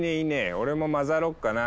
俺もまざろっかな。